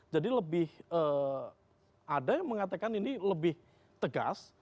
jadi lebih ada yang mengatakan ini lebih tegas